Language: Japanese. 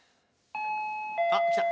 ・あっ来た。